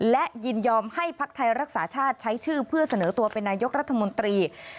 และยินยอมให้ภักดิ์ไทยรักษาชาติใช้ชื่อเพื่อเสนอตัวเป็นนายกรัฐมนตรี